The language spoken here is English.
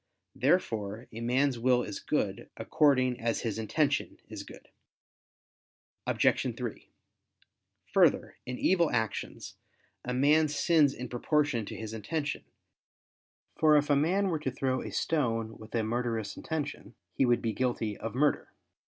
Therefore a man's will is good, according as his intention is good. Obj. 3: Further, in evil actions, a man sins in proportion to his intention: for if a man were to throw a stone with a murderous intention, he would be guilty of murder.